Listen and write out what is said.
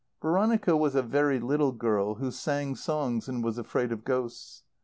Veronica was a very little girl who sang songs and was afraid of ghosts.